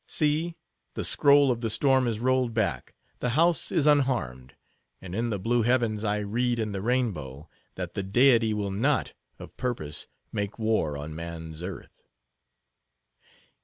See, the scroll of the storm is rolled back; the house is unharmed; and in the blue heavens I read in the rainbow, that the Deity will not, of purpose, make war on man's earth."